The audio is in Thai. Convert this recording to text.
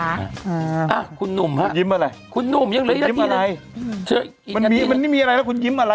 อ้าคุณหนุ่มค่ะคุณหนุ่มยังไงละทีนี้มันยิ้มอะไรมันมีอะไรแล้วคุณยิ้มอะไร